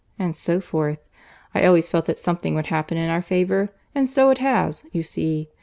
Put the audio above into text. and so forth—I always felt that something would happen in our favour; and so it has, you see.